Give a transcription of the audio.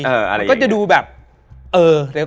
มันก็จะดูแบบเออ